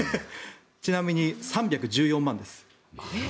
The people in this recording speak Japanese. ちなみに３１４万円です。